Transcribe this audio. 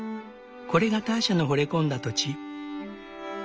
これがターシャのほれ込んだ土地。